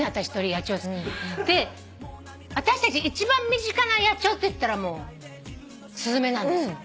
野鳥。で私たち一番身近な野鳥っていったらもうスズメなんです。